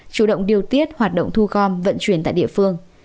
chủ động điều tiết hoạt động thu gom vận chuyển tại địa phương